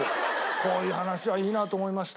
こういう話はいいなと思いました。